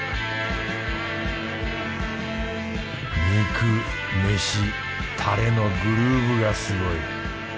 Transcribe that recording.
肉飯たれのグルーブがすごい